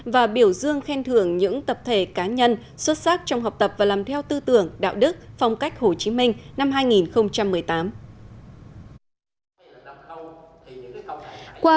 và biểu dương khen thưởng những tập thể cá nhân xuất sắc trong học tập và làm theo tư tưởng đạo đức phong cách hồ chí minh năm hai nghìn một mươi tám